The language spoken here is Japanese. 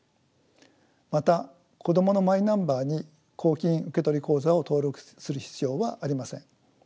また子供のマイナンバーに公金受取口座を登録する必要はありません。